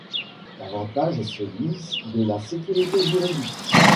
L'avantage est celui de la sécurité juridique.